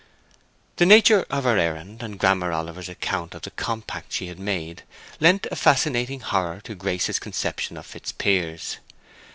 The nature of her errand, and Grammer Oliver's account of the compact she had made, lent a fascinating horror to Grace's conception of Fitzpiers.